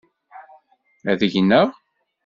Ad gneɣ.